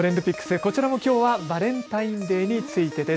こちらもきょうはバレンタインデーについてです。